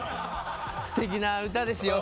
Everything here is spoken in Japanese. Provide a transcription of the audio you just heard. すてきな歌ですよ。